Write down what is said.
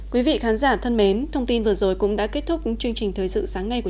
quý vị khán giả thân mến thông tin vừa rồi cũng đã kết thúc chương trình thời sự sáng nay của